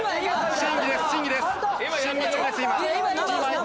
審議中です